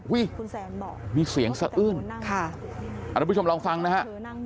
อุ๊ยมีเสียงสะอื้มค่ะอันนี้ผู้ชมลองฟังนะฮะ